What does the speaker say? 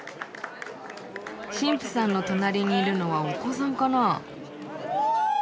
新婦さんの隣にいるのはお子さんかな？